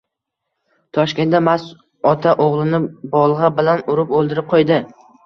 Toshkentda mast ota o‘g‘lini bolg‘a bilan urib o‘ldirib qo‘ydi